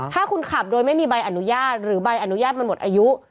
ถ้าคุณขับโดยไม่มีใบอนุญาตหรือใบอนุญาตมันหมดอายุ